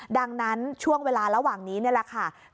ดังนั้นช่วงเวลาระหว่างนี้นี่แหละค่ะ